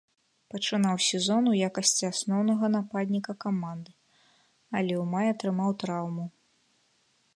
Пачынаў сезон у якасці асноўнага нападніка каманды, але ў маі атрымаў траўму.